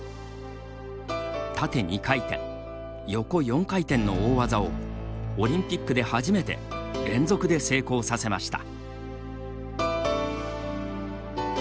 縦２回転、横４回転の大技をオリンピックで初めて連続で成功させました。